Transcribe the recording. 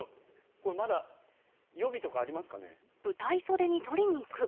これまだ予備とかありますかね？